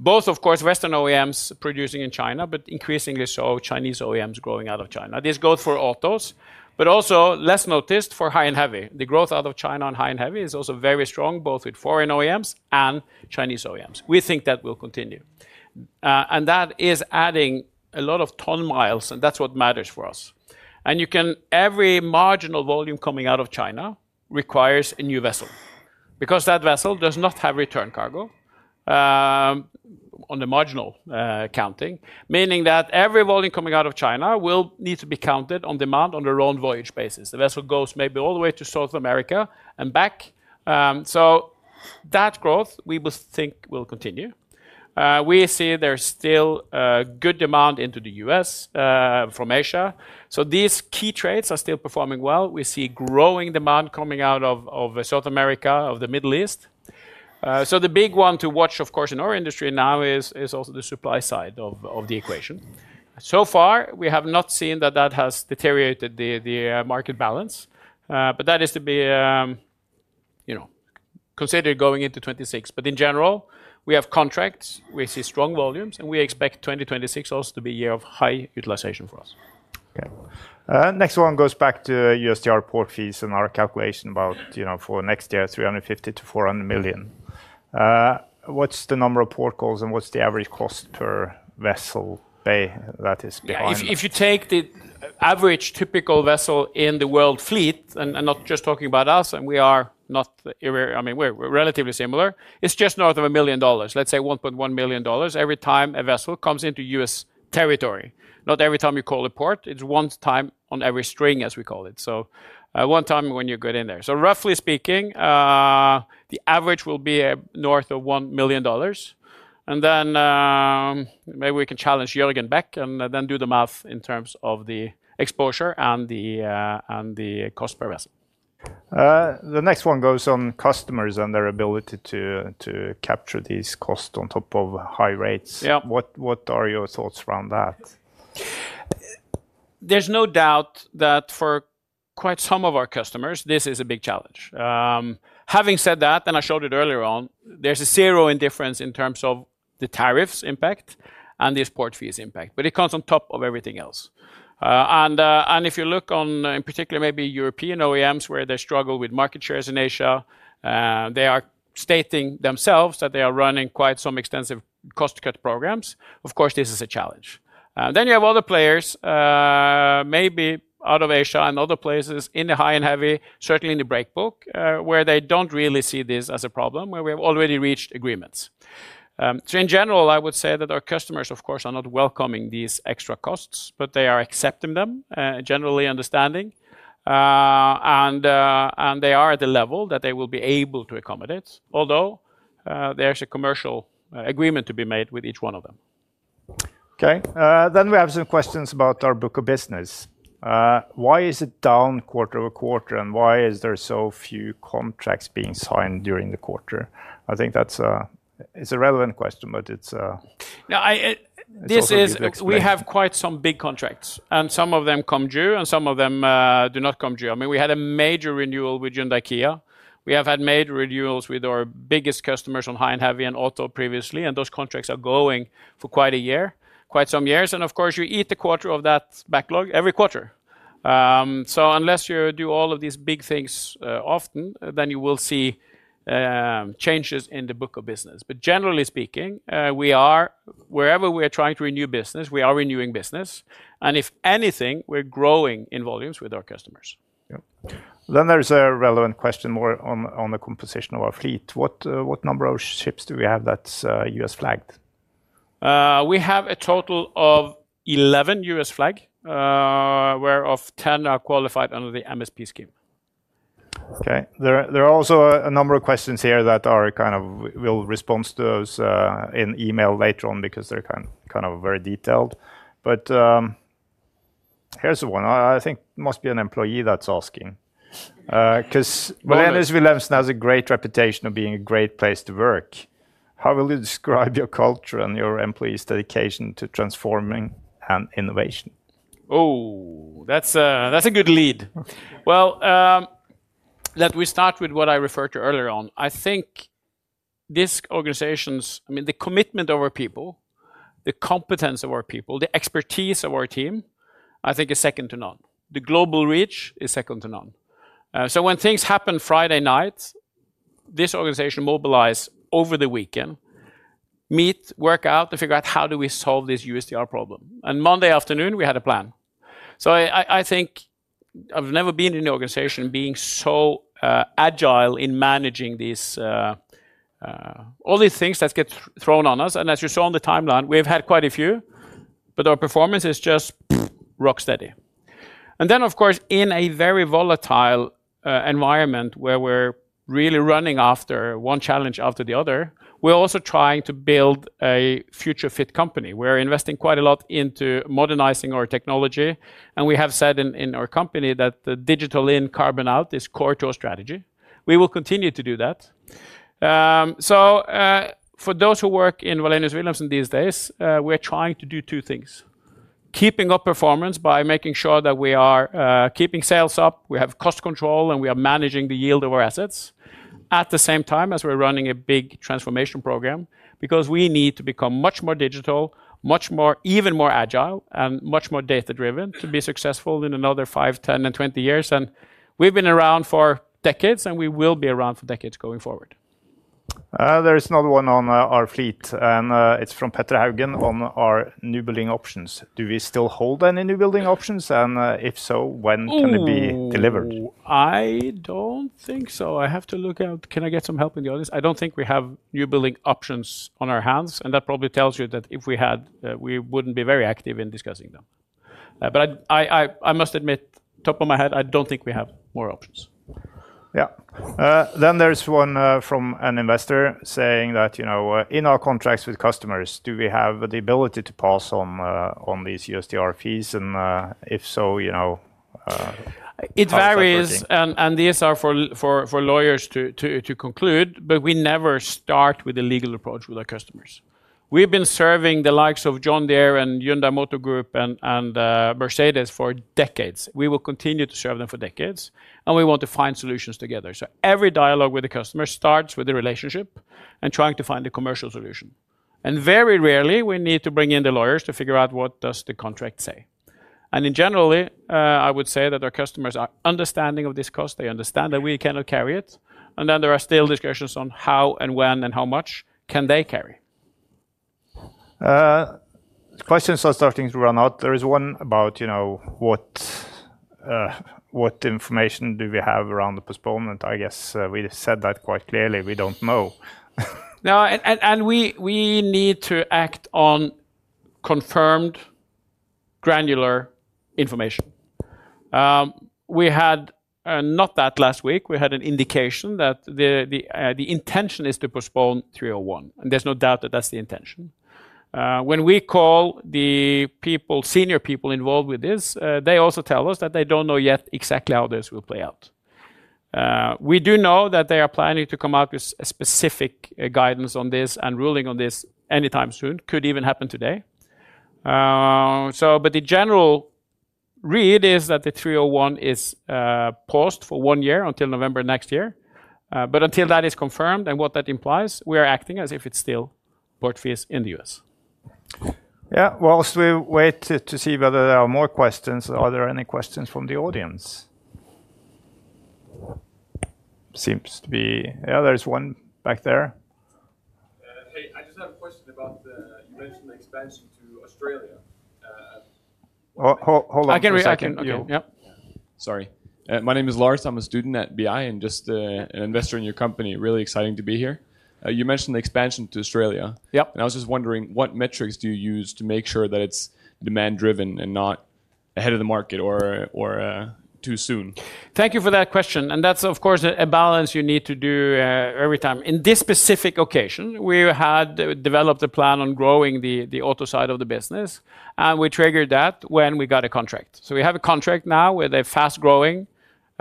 Both, of course, Western OEMs producing in China, but increasingly so, Chinese OEMs growing out of China. This goes for autos, but also less noticed for high and heavy. The growth out of China in high and heavy is also very strong, both with foreign OEMs and Chinese OEMs. We think that will continue, and that is adding a lot of ton miles, and that is what matters for us. You can, every marginal volume coming out of China requires a new vessel because that vessel does not have return cargo, on the marginal, counting, meaning that every volume coming out of China will need to be counted on demand on their own voyage basis. The vessel goes maybe all the way to South America and back. That growth, we will think will continue. We see there is still good demand into the U.S. from Asia. These key trades are still performing well. We see growing demand coming out of South America, of the Middle East. The big one to watch, of course, in our industry now is also the supply side of the equation. So far, we have not seen that that has deteriorated the market balance. That is to be, you know, considered going into 2026. In general, we have contracts, we see strong volumes, and we expect 2026 also to be a year of high utilization for us. Next one goes back to USTR port fees and our calculation about, you know, for next year, $350 million-$400 million. What is the number of port calls and what is the average cost per vessel bay that is behind? If you take the average typical vessel in the world fleet, and not just talking about us, and we are not, I mean, we are relatively similar, it is just north of a million dollars, let's say $1.1 million every time a vessel comes into U.S. territory. Not every time you call a port, it is one time on every string, as we call it. One time when you get in there. Roughly speaking, the average will be north of $1 million. Maybe we can challenge Jürgen Beck and then do the math in terms of the exposure and the cost per vessel. The next one goes on customers and their ability to capture these costs on top of high rates. What are your thoughts around that? There is no doubt that for quite some of our customers, this is a big challenge. Having said that, and I showed it earlier on, there is a zero in difference in terms of the tariffs impact and these port fees impact, but it comes on top of everything else. If you look on, in particular, maybe European OEMs where they struggle with market shares in Asia, they are stating themselves that they are running quite some extensive cost cut programs. Of course, this is a challenge. Then you have other players, maybe out of Asia and other places in the high and heavy, certainly in the breakbook, where they do not really see this as a problem, where we have already reached agreements. In general, I would say that our customers, of course, are not welcoming these extra costs, but they are accepting them, generally understanding. And they are at a level that they will be able to accommodate, although there's a commercial agreement to be made with each one of them. Okay. Then we have some questions about our book of business. Why is it down quarter over quarter and why is there so few contracts being signed during the quarter? I think that's a, it's a relevant question, but it's a... No, I, this is, we have quite some big contracts and some of them come due and some of them do not come due. I mean, we had a major renewal with Hyundai-Kia. We have had major renewals with our biggest customers on high and heavy and auto previously, and those contracts are going for quite some years. And of course, you eat a quarter of that backlog every quarter. So unless you do all of these big things often, you will see changes in the book of business. But generally speaking, wherever we are trying to renew business, we are renewing business. And if anything, we're growing in volumes with our customers. Yeah. There is a relevant question more on the composition of our fleet. What number of ships do we have that's US flagged? We have a total of 11 U.S. flagged, whereof 10 are qualified under the MSP scheme. Okay. There are also a number of questions here that are kind of, we'll respond to those in email later on because they're kind of very detailed. But here's the one. I think it must be an employee that's asking, because Wallenius Wilhelmsen has a great reputation of being a great place to work. How will you describe your culture and your employees' dedication to transforming and innovation? Oh, that's a good lead. Let me start with what I referred to earlier on. I think these organizations, I mean, the commitment of our people, the competence of our people, the expertise of our team, I think is second to none. The global reach is second to none. When things happen Friday night, this organization mobilized over the weekend, meet, work out to figure out how do we solve this USTR problem. And Monday afternoon, we had a plan. I think I've never been in the organization being so agile in managing these, all these things that get thrown on us. As you saw on the timeline, we've had quite a few, but our performance is just rock steady. In a very volatile environment where we're really running after one challenge after the other, we're also trying to build a future fit company. We're investing quite a lot into modernizing our technology. We have said in our company that the digital in, carbon out is core to our strategy. We will continue to do that. So, for those who work in Wallenius Wilhelmsen these days, we're trying to do two things. Keeping up performance by making sure that we are keeping sales up, we have cost control, and we are managing the yield of our assets at the same time as we're running a big transformation program because we need to become much more digital, much more, even more agile, and much more data-driven to be successful in another five, ten, and twenty years. We've been around for decades, and we will be around for decades going forward. There is another one on our fleet, and it's from Petter Haugen on our new building options. Do we still hold any new building options? And if so, when can it be delivered? I don't think so. I have to look out. Can I get some help in the audience? I don't think we have new building options on our hands. That probably tells you that if we had, we wouldn't be very active in discussing them. I must admit, top of my head, I don't think we have more options. Yeah, then there's one from an investor saying that, you know, in our contracts with customers, do we have the ability to pass on these USTR fees? If so, you know. It varies. These are for lawyers to conclude, but we never start with a legal approach with our customers. We've been serving the likes of John Deere and Hyundai Motor Group and Mercedes for decades. We will continue to serve them for decades. We want to find solutions together. Every dialogue with the customer starts with the relationship and trying to find a commercial solution. Very rarely we need to bring in the lawyers to figure out what does the contract say. In general, I would say that our customers are understanding of this cost. They understand that we cannot carry it. There are still discussions on how and when and how much can they carry. Questions are starting to run out. There is one about, you know, what information do we have around the postponement? I guess we said that quite clearly. We don't know. No, and we need to act on confirmed, granular information. We had, not that last week, we had an indication that the intention is to postpone 301. There's no doubt that that's the intention. When we call the people, senior people involved with this, they also tell us that they don't know yet exactly how this will play out. We do know that they are planning to come out with a specific guidance on this and ruling on this anytime soon. Could even happen today. The general read is that the 301 is paused for one year until November next year. but until that is confirmed and what that implies, we are acting as if it's still port fees in the U.S. Yeah. Whilst we wait to see whether there are more questions, are there any questions from the audience? Seems to be, yeah, there's one back there. Hey, I just have a question about, you mentioned the expansion to Australia. Hold, hold on. I can, I can, okay. Yeah. Sorry. My name is Lars. I'm a student at BI and just, an investor in your company. Really exciting to be here. You mentioned the expansion to Australia. Yep. And I was just wondering, what metrics do you use to make sure that it's demand-driven and not ahead of the market or, or, too soon? Thank you for that question. And that's, of course, a balance you need to do, every time. In this specific occasion, we had developed a plan on growing the, the auto side of the business. And we triggered that when we got a contract. So we have a contract now with a fast-growing,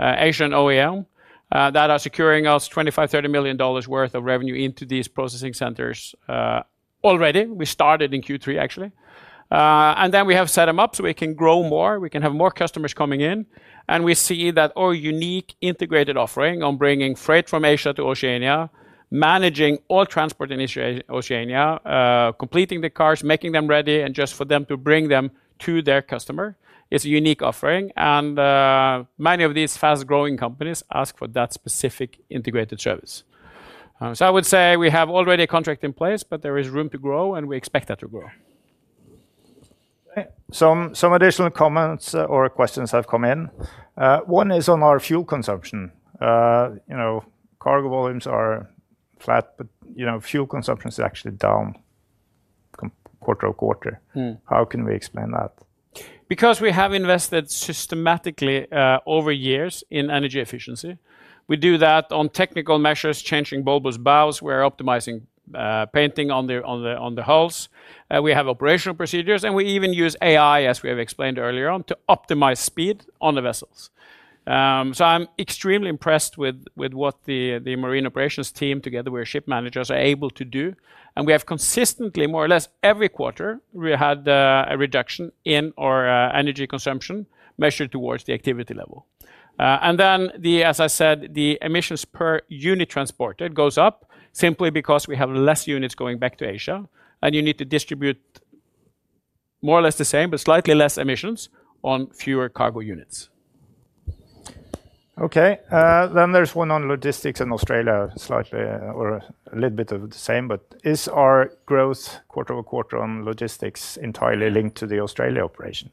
Asian OEM, that are securing us $25 million-$30 million worth of revenue into these processing centers, already. We started in Q3, actually. And then we have set them up so we can grow more. We can have more customers coming in. And we see that our unique integrated offering on bringing freight from Asia to Oceania, managing all transport in Oceania, completing the cars, making them ready, and just for them to bring them to their customer. It's a unique offering. And, many of these fast-growing companies ask for that specific integrated service. So I would say we have already a contract in place, but there is room to grow, and we expect that to grow. Okay. Some, some additional comments or questions have come in. One is on our fuel consumption. You know, cargo volumes are flat, but, you know, fuel consumption is actually down. Quarter of quarter. How can we explain that? Because we have invested systematically, over years in energy efficiency. We do that on technical measures, changing bulbous bows. We're optimizing, painting on the, on the, on the hulls. We have operational procedures, and we even use AI, as we have explained earlier on, to optimize speed on the vessels. So I'm extremely impressed with, with what the, the marine operations team together with our ship managers are able to do. And we have consistently, more or less every quarter, we had, a reduction in our, energy consumption measured towards the activity level. And then the, as I said, the emissions per unit transported goes up simply because we have less units going back to Asia. And you need to distribute. More or less the same, but slightly less emissions on fewer cargo units. Okay. Then there's one on logistics in Australia slightly, or a little bit of the same, but is our growth quarter over quarter on logistics entirely linked to the Australia operation?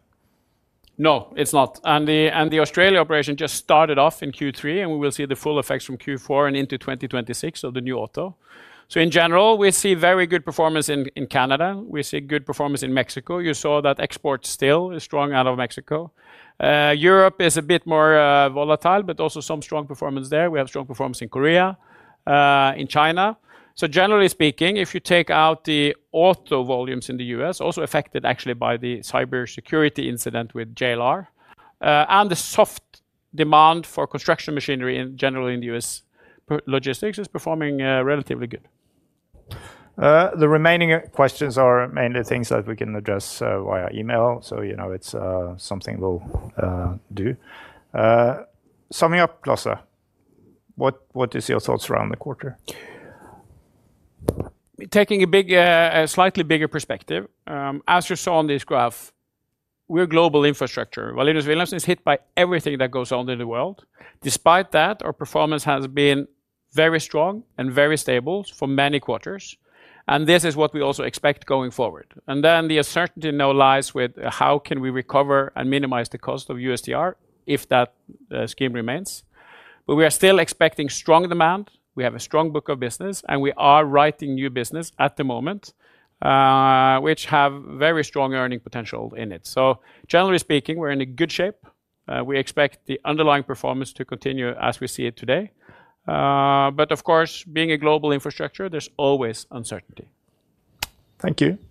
No, it's not. The Australia operation just started off in Q3, and we will see the full effects from Q4 and into 2026 of the new auto. In general, we see very good performance in Canada. We see good performance in Mexico. You saw that export still is strong out of Mexico. Europe is a bit more volatile, but also some strong performance there. We have strong performance in Korea, in China. Generally speaking, if you take out the auto volumes in the U.S., also affected actually by the cybersecurity incident with JLR, and the soft demand for construction machinery in general in the U.S., logistics is performing relatively good. The remaining questions are mainly things that we can address via email. You know, it is something we will do. Summing up, Lasse, what is your thoughts around the quarter? Taking a slightly bigger perspective, as you saw on this graph, we are global infrastructure. Wallenius Wilhelmsen is hit by everything that goes on in the world. Despite that, our performance has been very strong and very stable for many quarters. This is what we also expect going forward. The uncertainty now lies with how can we recover and minimize the cost of USTR if that scheme remains. We are still expecting strong demand. We have a strong book of business, and we are writing new business at the moment, which have very strong earning potential in it. Generally speaking, we are in good shape. We expect the underlying performance to continue as we see it today. Of course, being a global infrastructure, there is always uncertainty. Thank you. Thank you.